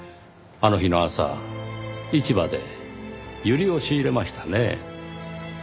あの日の朝市場でユリを仕入れましたねぇ。